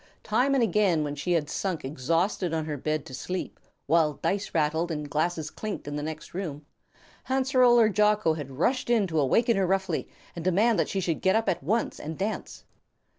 Time and again when she had sunk exhausted on her bed to sleep, while dice rattled and glasses clinked in the next room, Hanserl or Jocko had rushed in to awaken her roughly and demand that she should get up at once and dance.